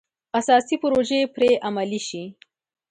اساسي پروژې پرې عملي شي.